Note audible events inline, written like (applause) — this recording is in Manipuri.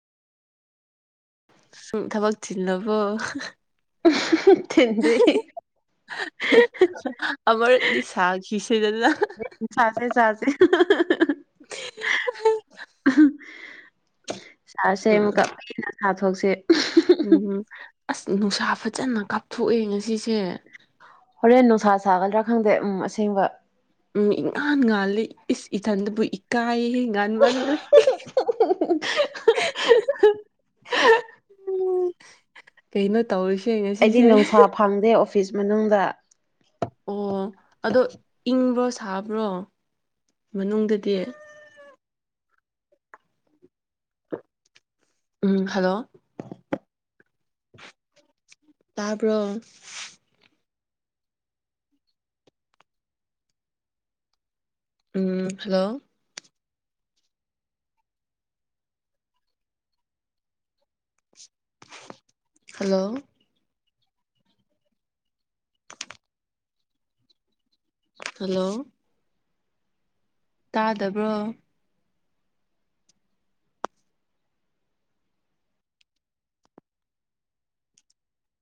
ꯁꯨꯡ ꯊꯕꯛ ꯆꯤꯟꯂꯕꯣ (unintelligible) ꯊꯤꯟꯗ꯭ꯔꯤ (unintelligible) ꯑꯃꯔꯛꯗꯤ ꯁꯥꯈꯤꯁꯤꯗꯅ ꯆꯁꯦ ꯆꯁꯦ (inaudible) (unintelligible) (unintelligible) ꯆꯁꯦ ꯎꯝ ꯑꯃꯨꯛꯀ ꯄꯦꯟꯅꯥ ꯆꯥꯊꯣꯛꯁꯦ (unintelligible) ꯎꯝ ꯑꯁ ꯅꯨꯡꯁꯥ ꯐꯖꯅ ꯀꯥꯞꯊꯣꯛꯑꯦ ꯉꯁꯤꯁꯦ ꯍꯣꯔꯦꯟ ꯅꯨꯡꯁꯥ ꯁꯥꯒꯗ꯭ꯔꯥ ꯈꯪꯗꯦ ꯎꯝ ꯑꯁꯦꯡꯕ ꯎꯝ ꯏꯉꯥꯟ ꯉꯥꯜꯂꯤ ꯏꯁ ꯏꯊꯟꯗꯕꯨ ꯀꯥꯏꯌꯦꯍꯦ ꯉꯥꯟꯕꯥꯟꯂ ꯎ ꯀꯩꯅ ꯇꯧꯁꯤ ꯑꯩꯗꯤ ꯅꯨꯡꯁꯥ ꯐꯪꯗꯦ ꯑꯣꯐꯤꯁ ꯃꯅꯨꯡꯗ ꯑꯣ ꯑꯗꯣ ꯏꯪꯕ꯭ꯔꯣ ꯁꯥꯕ꯭ꯔꯣ ꯃꯅꯨꯡꯗꯗꯤ ꯎꯝ ꯍꯂꯣ ꯇꯥꯕ꯭ꯔꯣ ꯎꯝ ꯍꯜꯂꯣ ꯍꯜꯂꯣ ꯍꯜꯂꯣ ꯇꯥꯗꯕ꯭ꯔꯣ